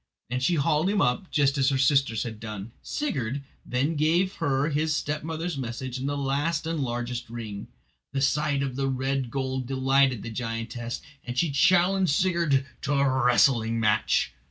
And she hauled him up just as her sisters had done. Sigurd then gave her his stepmother's message and the last and largest ring. The sight of the red gold delighted the giantess, and she challenged Sigurd to a wrestling match.